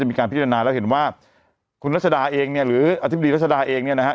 มีการพิจารณาแล้วเห็นว่าคุณรัชดาเองเนี่ยหรืออธิบดีรัชดาเองเนี่ยนะฮะ